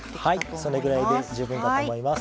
それぐらいで十分だと思います。